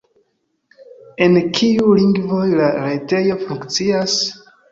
En kiuj lingvoj la retejo funkcias?